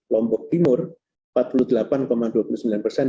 lombok timur empat puluh delapan dua puluh sembilan persen